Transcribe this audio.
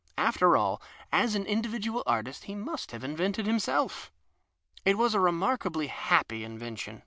After all, as an individual artist, he must have invented himself. It was a remarkably happy invention.